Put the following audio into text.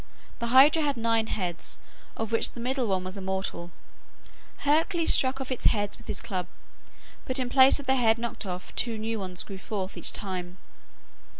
The Hydra had nine heads, of which the middle one was immortal. Hercules struck off its heads with his club, but in the place of the head knocked off, two new ones grew forth each time.